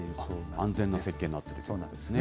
安全な設計になっているということなんですね。